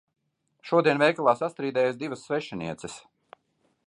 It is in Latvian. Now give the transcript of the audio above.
Šodien veikalā sastrīdējās divas svešinieces.